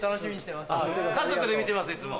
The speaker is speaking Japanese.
家族で見てますいつも。